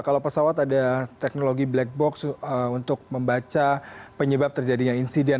kalau pesawat ada teknologi black box untuk membaca penyebab terjadinya insiden